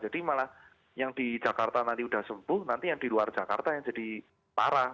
jadi malah yang di jakarta nanti sudah sembuh nanti yang di luar jakarta yang jadi parah